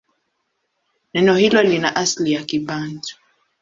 Neno hilo lina asili ya Kibantu.